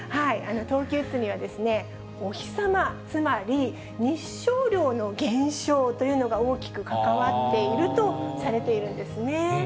冬季うつには、お日様、つまり日照量の減少というのが大きく関わっているとされているんですね。